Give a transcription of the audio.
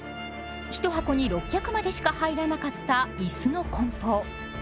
１箱に６脚までしか入らなかった椅子の梱包。